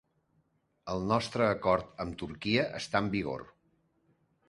El nostre acord amb Turquia està en vigor.